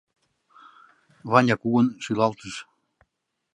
Ваня кугун шӱлалтыш.